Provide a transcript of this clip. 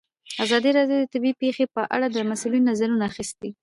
ازادي راډیو د طبیعي پېښې په اړه د مسؤلینو نظرونه اخیستي.